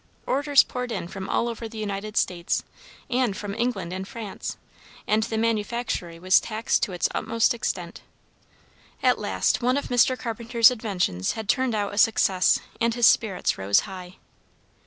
Orders poured in from all over the United States, and from England and France, and the manufactory was taxed to its utmost extent. At last one of Mr. Carpenter's inventions had turned out a success, and his spirits rose high.